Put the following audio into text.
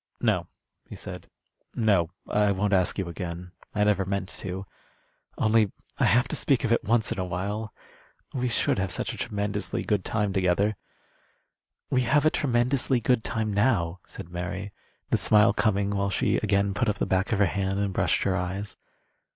"No," he said. "No. I won't ask you again. I never meant to. Only I have to speak of it once in a while. We should have such a tremendously good time together." "We have a tremendously good time now," said Mary, the smile coming while she again put up the back of her hand and brushed her eyes.